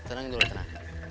tenang dulu tenang